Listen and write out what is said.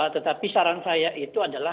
tetapi saran saya itu adalah